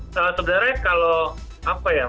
sebenarnya kalau apa ya